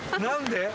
何で？